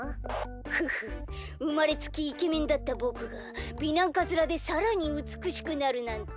ふふうまれつきイケメンだったぼくが美男カズラでさらにうつくしくなるなんて。